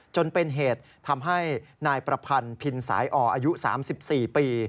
จนเป็นเหตุทำให้นายประพันธ์พินสายอ่ออายุ๓๔ปี